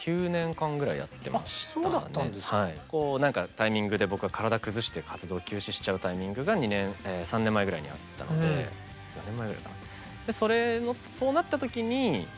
タイミングで僕が体崩して活動休止しちゃうタイミングが３年前ぐらいにあったのでそれでそうなった時に１人になっちゃったわけですね。